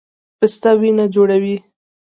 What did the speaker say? پسته وینه جوړوي